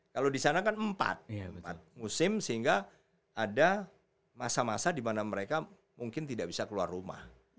kalau disana kan empat musim sehingga ada masa masa dimana mereka mungkin tidak bisa keluar rumah